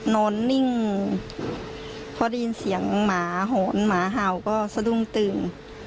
นอนนิ่งพอได้ยินเสียงหมาหอนหมาเห่าก็สะดุ้งตื่น